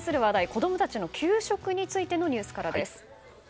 子供たちの給食についてのニュースからです。